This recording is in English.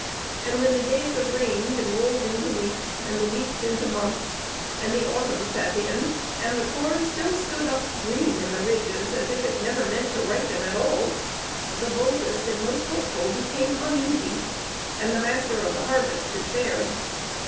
And when the days of rain had rolled into weeks and the weeks into months, and the autumn set in, and the corn still stood up green in the ridges, as if it never meant to ripen at all, the boldest and most hopeful became uneasy, and the Master of the Harvest despaired.